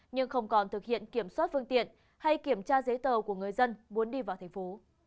nhưng không còn thực hiện kiểm soát phương tiện hay kiểm tra giấy tờ của người dân muốn đi vào thành phố